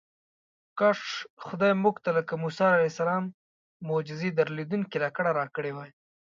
کاش خدای موږ ته لکه موسی علیه السلام معجزې درلودونکې لکړه راکړې وای.